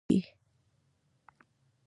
دا له عدم تشدد سره اړخ نه لګوي.